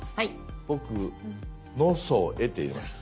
僕「のそえ」って入れました。